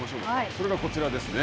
それがこちらですね。